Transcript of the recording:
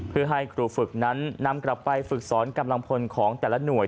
เพื่อให้ครูฝึกนั้นนำกลับไปฝึกสอนกำลังพลของแต่ละหน่วย